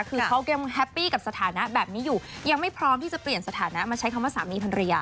คือเขายังแฮปปี้กับสถานะแบบนี้อยู่ยังไม่พร้อมที่จะเปลี่ยนสถานะมาใช้คำว่าสามีภรรยา